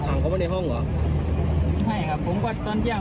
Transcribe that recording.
ใช่ครับผมก็ตอนเที่ยง